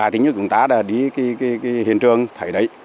chúng tôi đã đi cái hiện trường thấy đấy